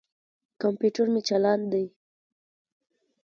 کمپیوټر مې چالاند دي.